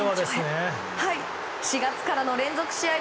４月からの連続試合